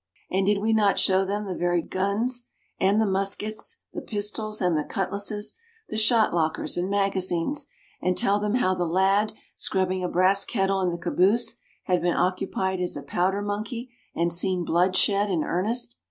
And did we not show them the very guns, and the muskets, the pistols and the cutlasses, the shot lockers and magazines, and tell them how the lad, scrubbing a brass kettle in the caboose, had been occupied as a powder monkey and seen blood shed in earnest?